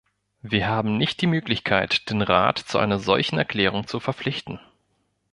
Wir haben nicht die Möglichkeit, den Rat zu einer solchen Erklärung zu verpflichten.